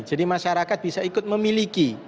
jadi masyarakat bisa ikut memiliki